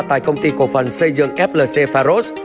tại công ty cổ phần xây dựng flc pharos